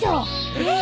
えっ！？